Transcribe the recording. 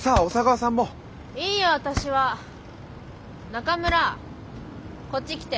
中村こっち来て。